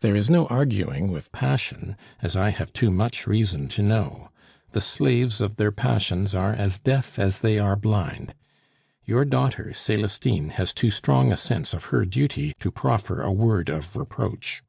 There is no arguing with passion as I have too much reason to know. The slaves of their passions are as deaf as they are blind. Your daughter Celestine has too strong a sense of her duty to proffer a word of reproach."